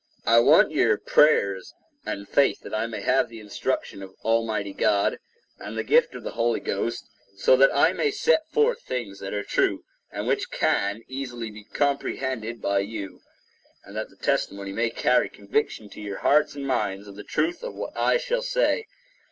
I want your prayers and faith that I may have the instruction of Almighty God and the gift of the Holy Ghost, so that I may set forth things that are true and which can be easily comprehended by you, and that the testimony may carry conviction to your hearts and minds of the truth of what I shall say.